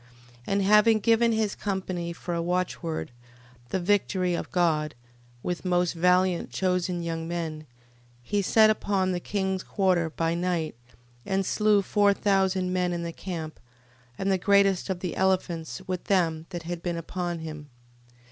13:15. And having given his company for a watchword, The victory of God, with most valiant chosen young men, he set upon the king's quarter by night, and slew four thousand men in the camp, and the greatest of the elephants, with them that had been upon him, 13:16.